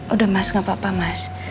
udah mas gak apa apa mas